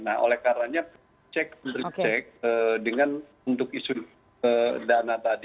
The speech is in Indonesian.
nah oleh karanya cek cek dengan untuk isu dana tadi